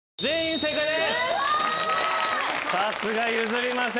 正解です！